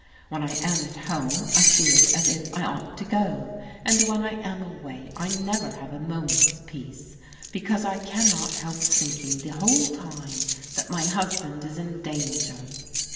When I am at home I feel as if I ought to go, and when I am away I never have a moment's peace, because I cannot help thinking the whole time that my husband is in danger.